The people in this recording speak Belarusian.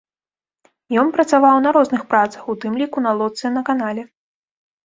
Ён працаваў на розных працах, у тым ліку на лодцы на канале.